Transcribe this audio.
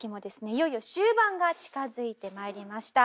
いよいよ終盤が近付いてまいりました。